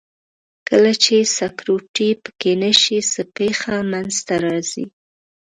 کله چې سکروټې پکه نه شي څه پېښه منځ ته راځي؟